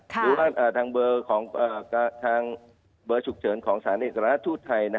หรือว่าทางเบอร์ฉุกเฉินของศาลเอกรณาทูตไทย